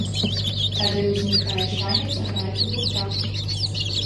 Тады ўзнікае шанец граць у гуртах.